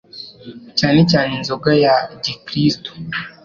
Cyane cyane inzoga ya gi kristu